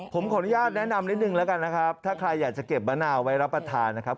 ผมขออนุญาตแนะนำนิดนึงแล้วกันนะครับถ้าใครอยากจะเก็บมะนาวไว้รับประทานนะครับ